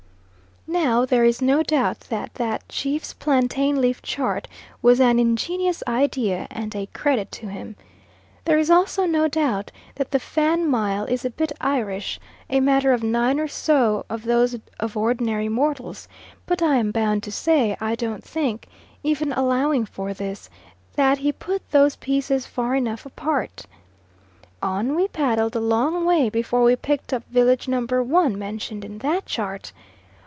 Now there is no doubt that that chief's plantain leaf chart was an ingenious idea and a credit to him. There is also no doubt that the Fan mile is a bit Irish, a matter of nine or so of those of ordinary mortals, but I am bound to say I don't think, even allowing for this, that he put those pieces far enough apart. On we paddled a long way before we picked up village number one, mentioned in that chart.